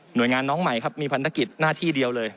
โดยงานน้องใหม่ครับมีพันธกิจหน้าที่เดียวเลย